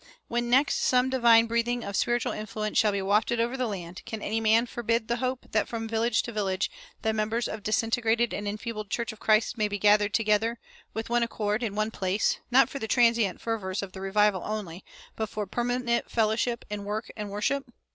When next some divine breathing of spiritual influence shall be wafted over the land, can any man forbid the hope that from village to village the members of the disintegrated and enfeebled church of Christ may be gathered together "with one accord in one place" not for the transient fervors of the revival only, but for permanent fellowship in work and worship?